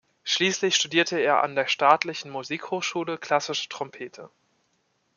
Schließlich studierte er an der Staatlichen Musikhochschule klassische Trompete.